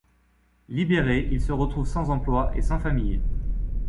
Libéré, il se retrouve sans emploi et sans famille.